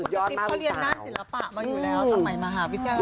กระติ๊บเขาเรียนด้านศิลปะมาอยู่แล้วสมัยมหาวิทยาลัย